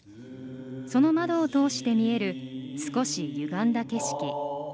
その窓を通して見える少しゆがんだ景色。